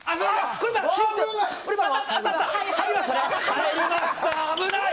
入りました、危ない！